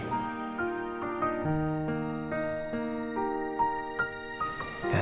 nasi makan panda lagi